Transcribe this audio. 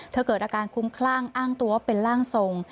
เกิดอาการคุ้มคลั่งอ้างตัวเป็นร่างทรง